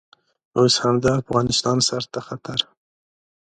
اوس هم د افغانستان سر ته خطر.